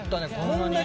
こんなに。